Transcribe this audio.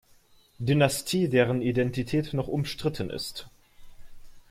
Dynastie, deren Identität noch umstritten ist.